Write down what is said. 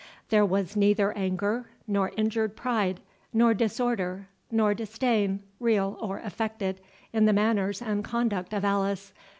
There was neither anger, nor injured pride, nor disorder, nor disdain, real or affected, in the manners and conduct of Alice.